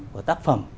của tác phẩm